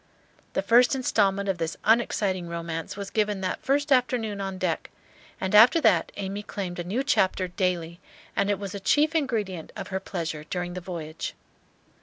The first instalment of this un exciting romance was given that first afternoon on deck; and after that, Amy claimed a new chapter daily, and it was a chief ingredient of her pleasure during the voyage.